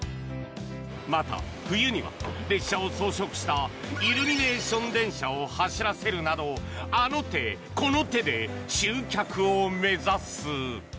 また、冬には列車を装飾したイルミネーション電車を走らせるなどあの手この手で集客を目指す。